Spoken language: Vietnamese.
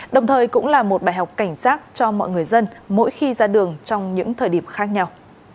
đồng thời cũng là một bài học cảnh giác cho mọi người dân mỗi khi ra đường trong những thời điểm khác nhau